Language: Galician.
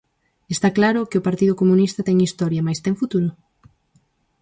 Está claro que o Partido Comunista ten historia, mais ten futuro?